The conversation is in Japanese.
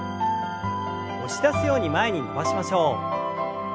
押し出すように前に伸ばしましょう。